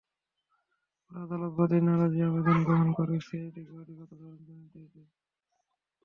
পরে আদালত বাদীর নারাজি আবেদন গ্রহণ করে সিআইডিকে অধিকতর তদন্তের নির্দেশ দেন।